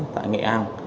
tại nghệ an